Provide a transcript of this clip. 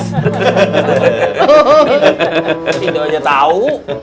tidak aja tau